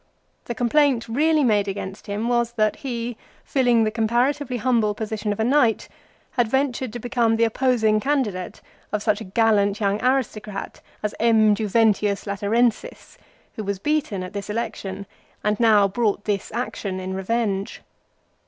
The complaint really made against him was that he, filling the comparatively humble position of a knight, had ventured to become the opposing candidate of such a gallant young aristocrat as M. Juventius Laterensis, who was beaten at this election and now brought this action in revenge.